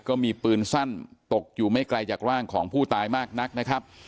ก็มีปืนสั้นตกอยู่ไม่ไกลจากร่างของผู้ตายมากนักนะครับ